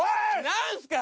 何すか！